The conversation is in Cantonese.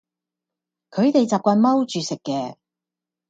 佢哋習慣踎住食嘅